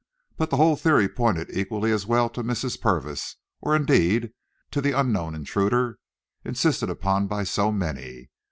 But the whole theory pointed equally as well to Mrs. Purvis, or indeed to the unknown intruder insisted upon by so many.